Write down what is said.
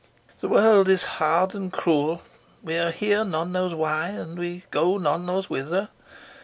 "The world is hard and cruel. We are here none knows why, and we go none knows whither.